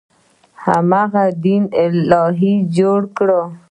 هغه دین الهي جوړ کړ.